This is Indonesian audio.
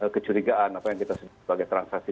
kecurigaan apa yang kita sebut sebagai transaksi